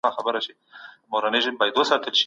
او نورو ژبو کې د اتل زوی، اتل یا جنګیالي معنا لري.